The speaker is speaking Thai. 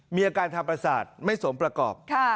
มีอาการทางประสาทไม่สมประกอบ